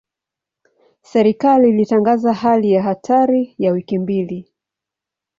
Serikali ilitangaza hali ya hatari ya wiki mbili.